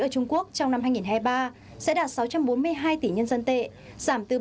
ở trung quốc trong năm hai nghìn hai mươi ba sẽ đạt sáu trăm bốn mươi hai tỷ nhân dân tệ